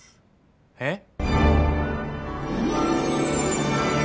えっ？